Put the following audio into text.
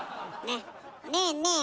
ねえねえ